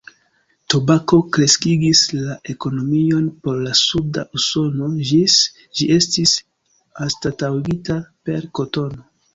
Tabako kreskigis la ekonomion por la suda Usono ĝis ĝi estis anstataŭigita per kotono.